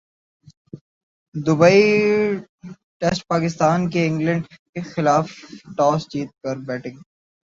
Dubai ٹیسٹپاکستان کی England کیخلاف toss جیت کر بیٹنگ